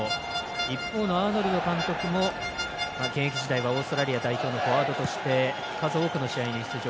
一方のアーノルド監督も現役時代はオーストラリア代表のフォワードとして数多くの試合に出場。